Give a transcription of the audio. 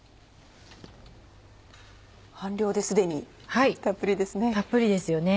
半量で既にたっぷりですね。